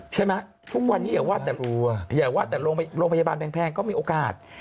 ใช่ไหมทุกวันนี้อย่าว่าแต่โรงพยาบาลแพงก็มีโอกาส